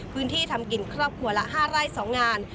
พื้นที่ทำกินครอบครัวละ๕ไร่๒งาน